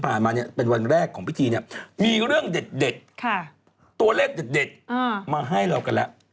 มาเนี่ยเป็นวันแรกของพิธีเนี่ยมีเรื่องเด็ดตัวเลขเด็ดมาให้เรากันแล้ว